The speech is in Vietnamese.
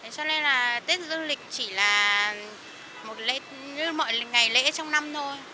cho nên là tết dương lịch chỉ là một ngày lễ trong năm thôi